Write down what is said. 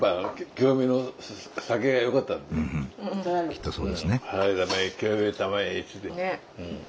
きっとそうですね。